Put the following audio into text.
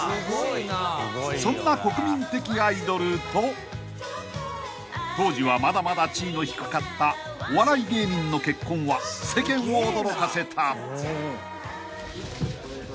［そんな国民的アイドルと当時はまだまだ地位の低かったお笑い芸人の結婚は世間を驚かせた］